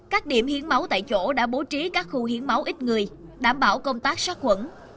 các điểm hiến máu tại chỗ đã bố trí các khu hiến máu ít người đảm bảo công tác sát khuẩn